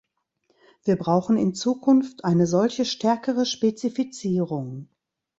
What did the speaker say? Wir brauchen in Zukunft eine solche stärkere Spezifizierung.